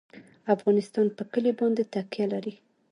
افغانستان په کلي باندې تکیه لري.